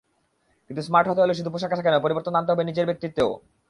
কিন্তু স্মার্ট হতে হলে শুধু পোশাক-আশাকে নয়, পরিবর্তন আনতে হবে নিজের ব্যক্তিত্বেও।